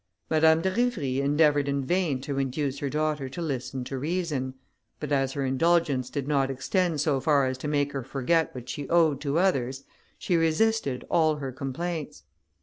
Madame de Rivry endeavoured in vain to induce her daughter to listen to reason; but as her indulgence did not extend so far as to make her forget what she owed to others, she resisted all her complaints.